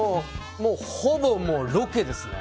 ほぼロケですね。